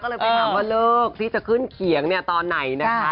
ก็เลยไปถามว่าเลิกที่จะขึ้นเขียงเนี่ยตอนไหนนะคะ